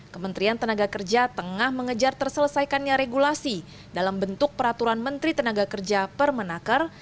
kementerian tenaga kerja tengah mengejar terselesaikannya regulasi dalam bentuk peraturan menteri tenaga kerja permenaker